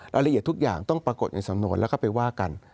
รายละเอียดทุกอย่างต้องปรากฏในสำนวนแล้วก็ไปว่ากัน